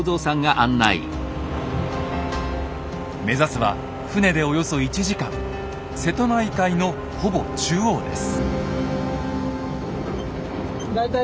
目指すは船でおよそ１時間瀬戸内海のほぼ中央です。